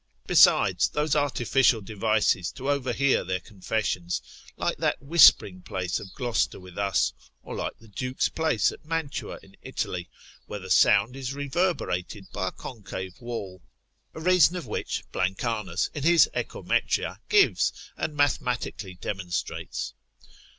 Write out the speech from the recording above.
Besides, those artificial devices to overhear their confessions, like that whispering place of Gloucester with us, or like the duke's place at Mantua in Italy, where the sound is reverberated by a concave wall; a reason of which Blancanus in his Echometria gives, and mathematically demonstrates.